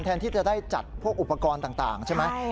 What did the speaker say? แทนที่จะได้จัดพวกอุปกรณ์ต่างใช่ไหม